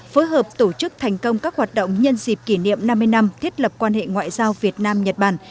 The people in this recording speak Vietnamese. phối hợp tổ chức thành công các hoạt động nhân dịp kỷ niệm năm mươi năm thiết lập quan hệ ngoại giao việt nam nhật bản